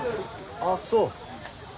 ああそう。